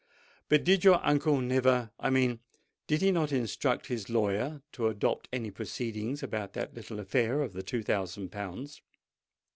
"But did your uncle never—I mean, did he not instruct his lawyer to adopt any proceedings about that little affair of the two thousand pounds?"